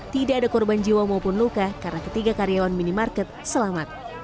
tidak ada korban jiwa maupun luka karena ketiga karyawan minimarket selamat